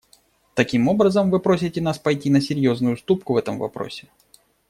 Таким образом, вы просите нас пойти на серьезную уступку в этом вопросе.